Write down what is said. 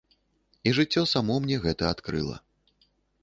І жыццё само мне гэта адкрыла.